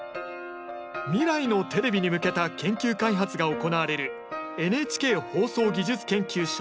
未来のテレビに向けた研究開発が行われるＮＨＫ放送技術研究所技研。